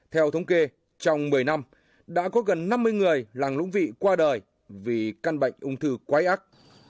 theo thống kê trong một mươi năm đã có gần năm mươi người làng lũng vị qua đời vì căn bệnh ung thư quái ác